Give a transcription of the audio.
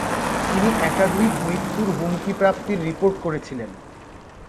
তিনি একাধিক মৃত্যুর হুমকি প্রাপ্তির রিপোর্ট করেছিলেন।